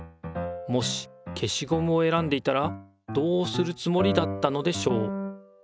もし消しゴムを選んでいたらどうするつもりだったのでしょう？